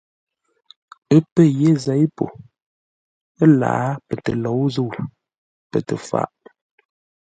Ə́ pə̂ yé zěi po ə́lǎa pətəlǒu-zə̂u, pə tə-faʼ.